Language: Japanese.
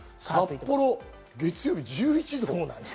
札幌、月曜日、１１度。